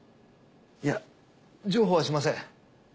いや譲歩はしません。